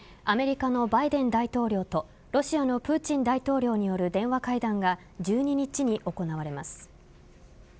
アメリカのバイデン大統領とロシアのプーチン大統領による電話会談が１２日に行われます。